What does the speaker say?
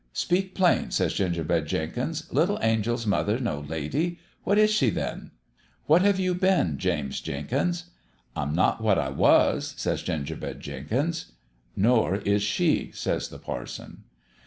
1 "' Speak plain/ says Gingerbread Jenkins. ' Little Angel's mother no lady ? What is she then?' "' What have you been, James Jenkins ?' That MEASURE of LOVE 209 "' I'm not what I was,' says Gingerbread Jenkins. "' Nor is she,' says the parson.